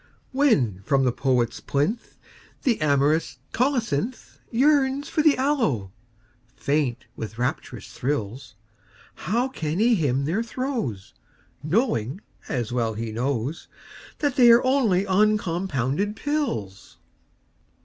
When from the poet's plinth The amorous colocynth Yearns for the aloe, faint with rapturous thrills, How can he hymn their throes Knowing, as well he knows, That they are only uncompounded pills?